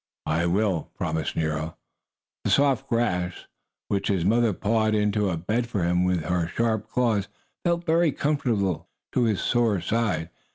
"I will," promised Nero. The soft grass, which his mother pawed into a bed for him with her sharp claws, felt very comfortable to his sore side.